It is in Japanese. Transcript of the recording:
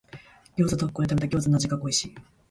餃子特講で食べた餃子の味が恋しい。